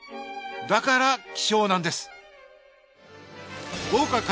だから希少なんです